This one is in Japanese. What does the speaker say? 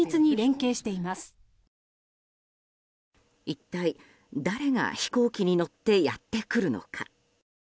一体、誰が飛行機に乗ってやってくるのか。